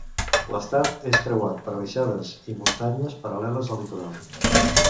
L'estat és creuat per baixades i muntanyes paral·leles al litoral.